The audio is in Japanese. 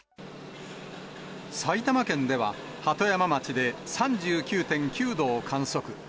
埼玉県では、鳩山町で３９．９度を観測。